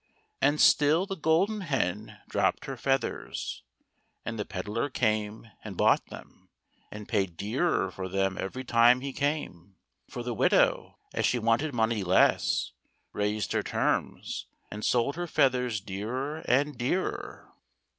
And still the Golden Hen dropped her featliers, and the pedlar came and bought them, and paid dearer for them every time he came, for the widow, as she wanted money less, raised her terms, and sold her feathers dearer and dearer.